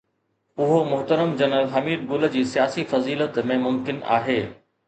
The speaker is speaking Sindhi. اهو محترم جنرل حميد گل جي سياسي فضيلت ۾ ممڪن آهي.